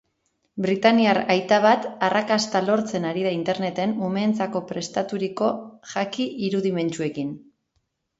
Britainiar aita bat arrakasta lortzen ari da interneten umeentzako prestaturiko jaki irudimentsuekin.